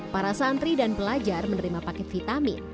para santri dan pelajar menerima paket vitamin